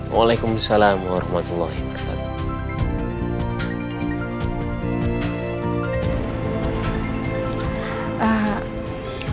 waalaikumsalam warahmatullahi wabarakatuh